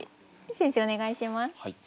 先生お願いします。